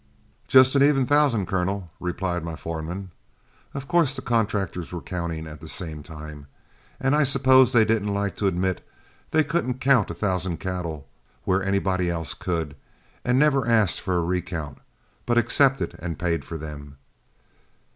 "'Just an even thousand, Colonel,' replied my foreman. Of course the contractors were counting at the same time, and I suppose didn't like to admit they couldn't count a thousand cattle where anybody else could, and never asked for a recount, but accepted and paid for them.